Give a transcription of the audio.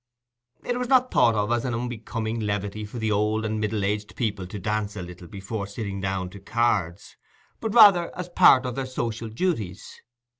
It was not thought of as an unbecoming levity for the old and middle aged people to dance a little before sitting down to cards, but rather as part of their social duties.